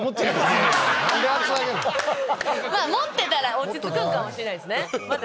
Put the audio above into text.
持ってたら落ち着くんかもしれないですね。